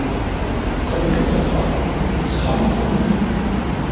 "Kom ned derfra, du skræmmer fuglene!"